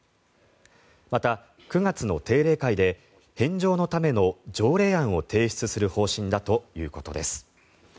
また、９月の定例会で返上のための条例案を提出する方針だということです。